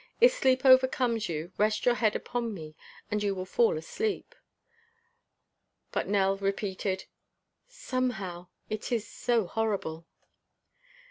If sleep overcomes you, rest your head upon me and you will fall asleep." But Nell repeated: "Somehow it is so horrible!"